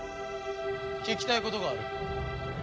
聞きたいことがある。